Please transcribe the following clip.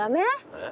えっ？